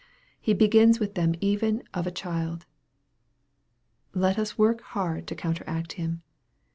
He begins with them even " of a child." Let us work hard to counteract him.